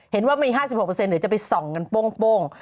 เห็นว่ามี๕๖เดี๋ยวจะไปส่องกันโป้ง